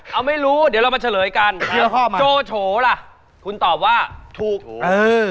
เอาไม่รู้เดี๋ยวเรามาเฉลยกันโจโฉล่ะคุณตอบว่าถูกเออ